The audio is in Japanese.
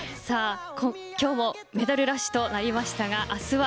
今日もメダルラッシュとなりましたが明日は